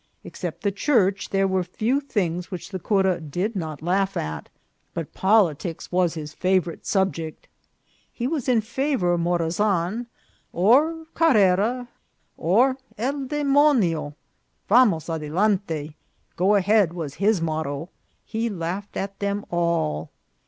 Except the Church, there were few things which the cur a did not laugh at ; but politics was his fa 16 182 INCIDENTS OF TRAVEL. vourite subject. He was in favour of Morazan, or Car rera, or el Demonic :" vamos adelante," " go ahead," was his motto; he laughed at them all.